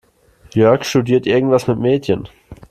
Jörg studiert irgendwas mit Medien.